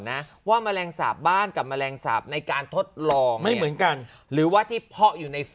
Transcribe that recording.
หมอมหาสำหรับการทำกระเป๋า